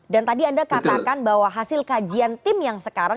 dan tadi anda katakan bahwa hasil kajian tim yang sekarang